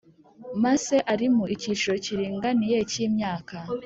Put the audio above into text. Masse arimo ikiciro kiringaniye k imyaka